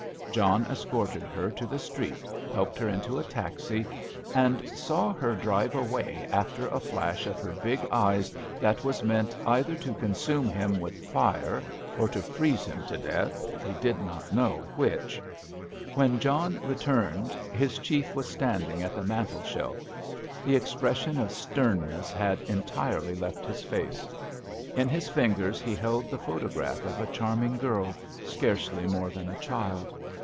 John escorted her to the street, helped her into a taxi, and saw her drive away after a flash of her big eyes that was meant either to consume him with fire or to freeze him to death; he did not know which. When John returned his Chief was standing at the mantelshelf. The expression of sternness had entirely left his face. In his fingers he held the photograph of a charming girl, scarcely more than a child.